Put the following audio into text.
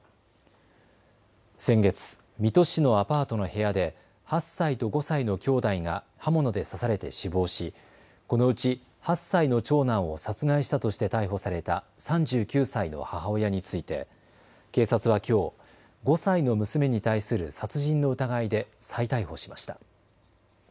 先月、水戸市のアパートの部屋で８歳と５歳のきょうだいが刃物で刺されて死亡し、このうち８歳の長男を殺害したとして逮捕された３９歳の母親について警察はきょう５歳の娘に対する殺人の疑いで再逮捕しました。